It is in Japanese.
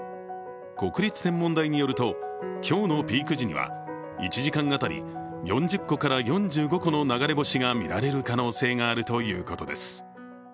国立天文台によると今日のピーク時には１時間当たり４０個から４５個の流れ星が見られる可能性があるということです。